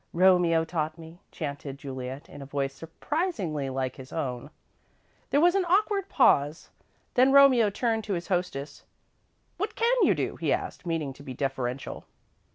"Romeo taught me," chanted Juliet, in a voice surprisingly like his own. There was an awkward pause, then Romeo turned to his hostess. "What can you do?" he asked, meaning to be deferential.